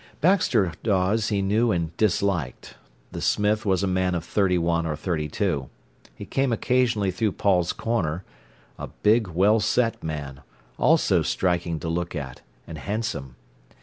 Baxter Dawes he knew and disliked. The smith was a man of thirty one or thirty two. He came occasionally through Paul's corner—a big, well set man, also striking to look at, and handsome.